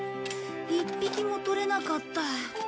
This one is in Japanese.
１匹も捕れなかった。